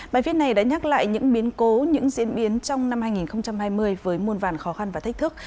bài viết này đã nhắc lại những biến cố những diễn biến trong năm hai nghìn hai mươi với môn vàn khó khăn và thách thức